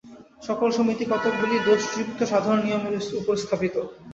সকল সমিতিই কতকগুলি দোষযুক্ত সাধারণ নিয়মের উপর স্থাপিত।